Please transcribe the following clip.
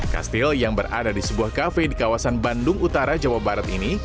kastil yang berada di sebuah kafe di kawasan bandung utara jawa barat ini